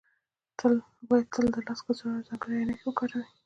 باید تل د لاس کڅوړې او ځانګړې عینکې وکاروئ